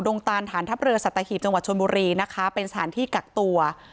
งตานฐานทัพเรือสัตหีบจังหวัดชนบุรีนะคะเป็นสถานที่กักตัว